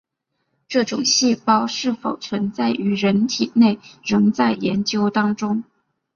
该种细胞是否存在于人体内仍在研究当中。